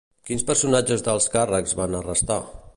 Quins personatges d'alts càrrecs van arrestar?